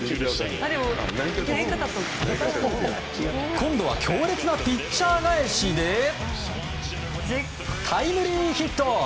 今度は強烈なピッチャー返しでタイムリーヒット！